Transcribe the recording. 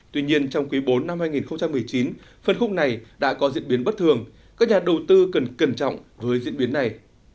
tuy nhiên trong quý bốn năm hai nghìn một mươi chín phân khúc này đã có diễn biến bất thường các nhà đầu tư cần cẩn trọng với diễn biến này